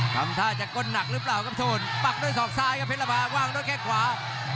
ทำท่าจะก้นหนักหรือเปล่าครับโทนปักด้วยศอกซ้ายครับเพชรภาว่างด้วยแข้งขวา